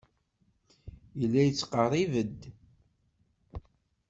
Yella yettqerrib-d.